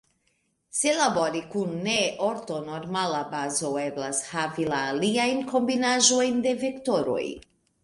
Se labori kun ne-ortonormala bazo, eblas havi la aliajn kombinaĵojn de vektoroj.